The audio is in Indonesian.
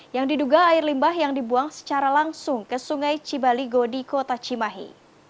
yang diduga air limbah yang dibuang secara langsung ke sungai cibaligo di kota cimahi